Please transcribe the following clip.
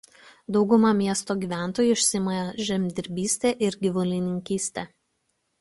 Dauguma miesto gyventojų užsiima žemdirbyste ir gyvulininkyste.